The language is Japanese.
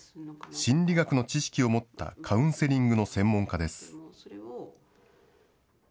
心理学の知識を持ったカウンセリングの専門家です。